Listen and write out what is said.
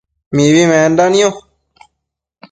mibi menda nio